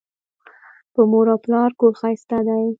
په مور او پلار کور ښایسته دی